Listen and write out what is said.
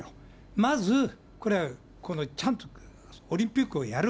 まず、これはちゃんとオリンピックをやる。